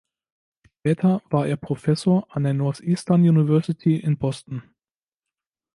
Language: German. Später war er Professor an der Northeastern University in Boston.